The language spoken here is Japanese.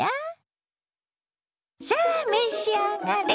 さあ召し上がれ！